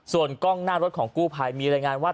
ส่วนกล้องหน้ารถของกู้ภัยมีรายงานว่า